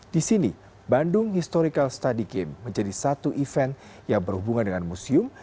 di sini bandung historical study game menjadi satu event yang berhubungan dengan museum